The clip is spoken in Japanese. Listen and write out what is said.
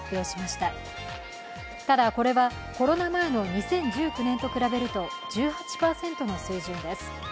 ただ、これはコロナ前の２０１９年と比べると１８％の水準です。